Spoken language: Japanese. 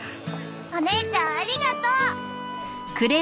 お姉ちゃんありがとう。